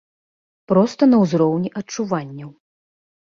Проста на ўзроўні адчуванняў.